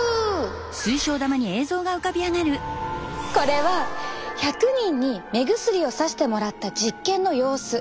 これは１００人に目薬をさしてもらった実験の様子。